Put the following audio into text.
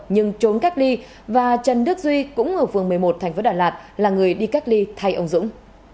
nhưng trốn cách ly và trần đức duy cũng ở phường một mươi một thành phố đà lạt là người đi cách ly thay ông dũng